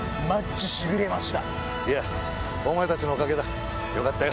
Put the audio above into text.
いやお前たちのおかげだよかったよ。